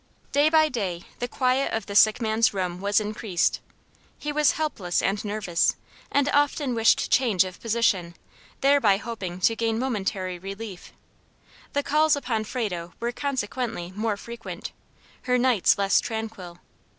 Day by day the quiet of the sick man's room was increased. He was helpless and nervous; and often wished change of position, thereby hoping to gain momentary relief. The calls upon Frado were consequently more frequent, her nights less tranquil.